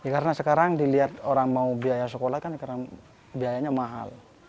karena sekarang dilihat orang mau biaya sekolah kan biayanya mahal